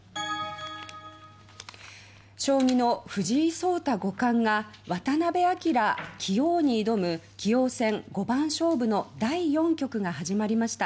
将棋の藤井聡太五冠が渡辺明棋王に挑む棋王戦五番勝負の第４局が始まりました。